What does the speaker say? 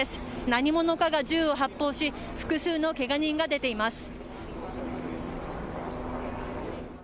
何者かが銃を発砲し、複数のけが人が出ています。